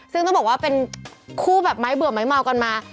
ซึ่งต้องบอกว่าเป็นคู่แบบไม้เบื่อไม้เมากันมา